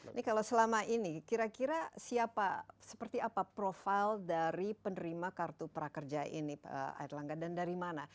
ini kalau selama ini kira kira siapa seperti apa profil dari penerima kartu prakerja ini pak air langga dan dari mana